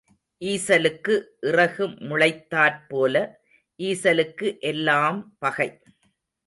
ஈசலுக்கு இறகு முளைத்தாற் போல, ஈசலுக்கு எல்லாம் பகை.